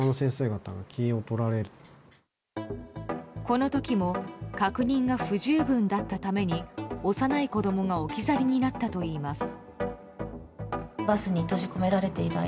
この時も確認が不十分だったために幼い子供が置き去りになったといいます。